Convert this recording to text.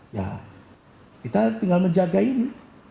ya kita tinggal menjaga ini